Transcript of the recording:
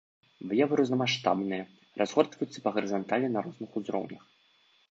Выявы рознамаштабныя, разгортваюцца па гарызанталі на розных узроўнях.